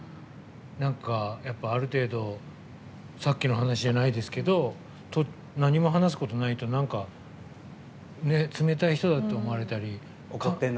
やっぱり、ある程度さっきの話じゃないですけど何も話すことがないと、なんか冷たい人だと思われたり。